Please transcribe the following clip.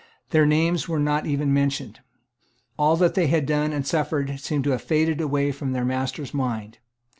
Their names were not even mentioned. All that they had done and suffered seemed to have faded from their master's mind.